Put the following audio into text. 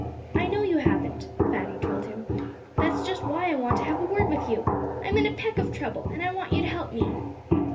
"I know you haven't," Fatty told him. "That's just why I want to have a word with you. I'm in a peck of trouble. And I want you to help me."